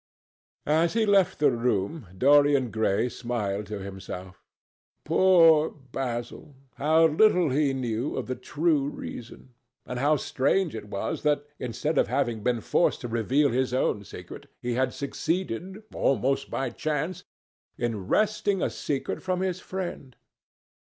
As he left the room, Dorian Gray smiled to himself. Poor Basil! How little he knew of the true reason! And how strange it was that, instead of having been forced to reveal his own secret, he had succeeded, almost by chance, in wresting a secret from his friend!